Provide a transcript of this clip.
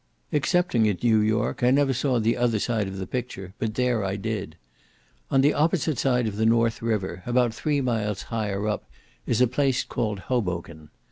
Excepting at New York, I never saw the other side of the picture, but there I did. On the opposite side of the North River, about three miles higher up, is a place called Hoboken.